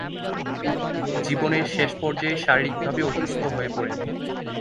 জীবনের শেষ পর্যায়ে শারীরিকভাবে অসুস্থ হয়ে পড়েন।